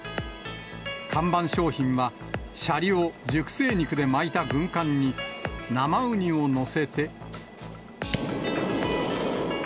看板商品はシャリを熟成肉で巻いた軍艦に、生ウニを載せて。